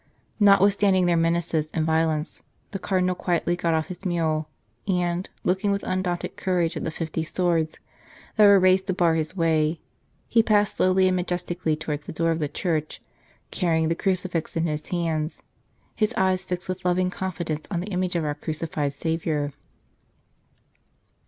Notwithstanding their menaces and violence, the Cardinal quietly got off his mule, and, looking with undaunted courage at the fifty swords that were raised to bar his way, he passed slowly and majestically towards the door of the church, carrying the crucifix in his hands, his eyes fixed with loving confidence on the image of our crucified Saviour.